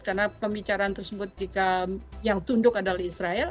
karena pembicaraan tersebut jika yang tunduk adalah israel